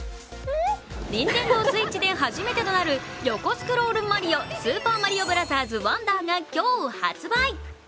ＮｉｎｔｅｎｄｏＳｗｉｔｃｈで初めてとなる横スクロールマリオ「スーパーマリオブラザーズワンダー」が今日発売。